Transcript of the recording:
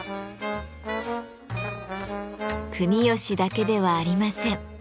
国芳だけではありません。